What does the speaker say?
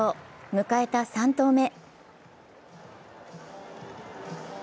迎えた３投目。